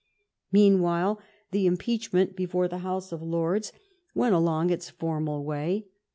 Meanwhile the impeachment before the House of Lords went along its formal way.